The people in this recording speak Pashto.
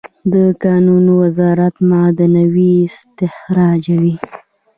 د کانونو وزارت معدنونه استخراجوي